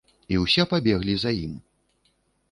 І ўсе пабеглі за ім.